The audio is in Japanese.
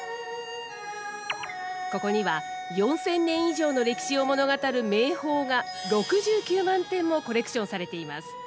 ここには４，０００年以上の歴史を物語る名宝が６９万点もコレクションされています。